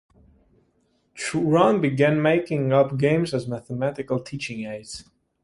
Truran began making up games as mathematical teaching aids.